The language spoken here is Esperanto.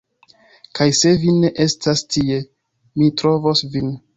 Kaj se vi ne estas tie, mi trovos vin